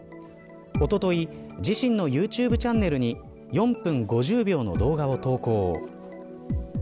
おととい、自身のユーチューブチャンネルに４分５０秒の動画を投稿。